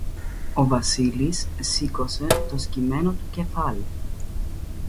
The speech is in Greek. Ο Βασίλης σήκωσε το σκυμμένο του κεφάλι